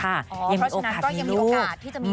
เพราะฉะนั้นก็ยังมีโอกาสที่จะมี